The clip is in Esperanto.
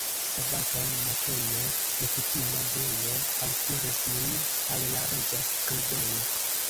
Sabaton matene, nekutima bruo altiris min al la reĝa skribejo.